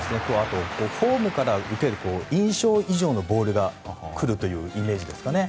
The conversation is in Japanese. フォームから受ける印象以上のボールが来るというイメージですかね。